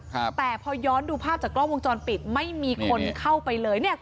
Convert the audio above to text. ครับแต่พอย้อนดูภาพจากกล้องวงจรปิดไม่มีคนเข้าไปเลยเนี่ย